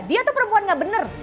dia tuh perempuan gak bener